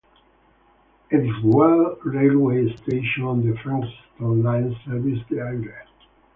Edithvale railway station on the Frankston line services the area.